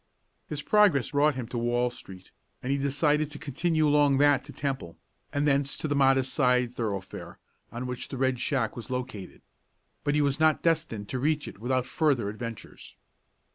His progress brought him to Wall street, and he decided to continue along that to Temple, and thence to the modest side thoroughfare on which the Red Shack was located. But he was not destined to reach it without further adventures.